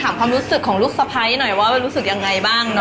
ถามความรู้สึกสไพรท์หน่อยว่ารู้สึกยังไงบ้างนะ